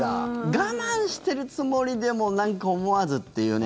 我慢してるつもりでもなんか思わずっていうね。